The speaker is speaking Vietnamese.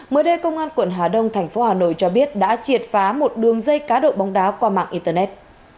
mới đây công an quận hà đông thành phố hà nội cho biết đã triệt phá một đường dây cá độ bóng đá qua mạng internet